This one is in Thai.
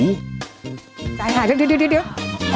ใส่อย่าเดี๋ยว